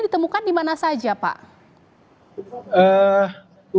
ditemukan di mana saja pak